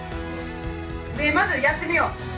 まずやってみよう。